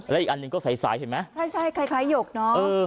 และอีกอันหนึ่งก็ใสเห็นไหมใช่คล้ายหยกเนอะ